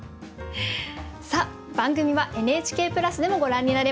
さあ番組はＮＨＫプラスでもご覧になれます。